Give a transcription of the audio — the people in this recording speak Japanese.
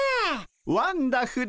ワンダフル！